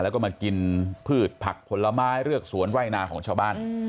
แล้วก็มากินพืชผักผลไม้เลือกสวนไร่นาของชาวบ้าน